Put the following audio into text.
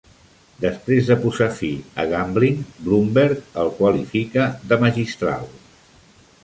Després de posar fi a Gambling, Bloomberg el qualificar de "magistral".